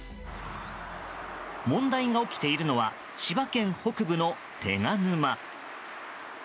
問題が起きているのは千葉県北部の手賀沼。